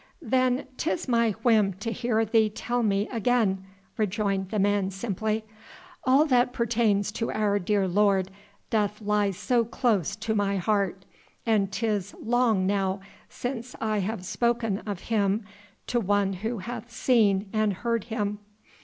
"Then 'tis my whim to hear thee tell me again," rejoined the man simply. "All that pertains to our dear Lord doth lie so close to my heart, and 'tis long now since I have spoken of Him to one who hath seen and heard Him.